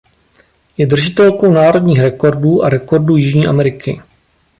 Je držitelkou národních rekordů a rekordů Jižní Ameriky.